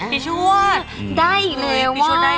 ปีชวร์ช